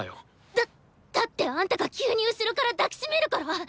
だっだってあんたが急に後ろから抱き締めるから。